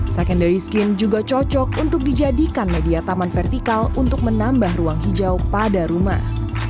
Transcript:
secondary skin juga cocok untuk dijadikan media taman vertikal untuk menambah ruang hijau pada rumah